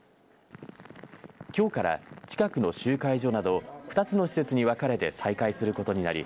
きょうから近くの集会所など２つの施設に分かれて再開することになり